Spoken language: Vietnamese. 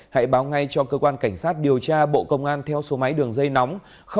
hãy báo ngay cho cơ quan cảnh sát điều tra bộ công an theo số máy đường dây nóng